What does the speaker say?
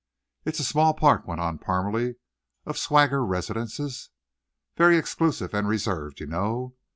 "It's a small park," went on Parmalee, "of swagger residences; very exclusive and reserved, you know.